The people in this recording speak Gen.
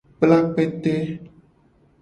Kpla kpete.